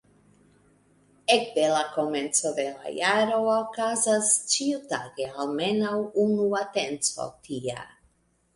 Ekde la komenco de la jaro okazas ĉiutage almenaŭ unu atenco tia.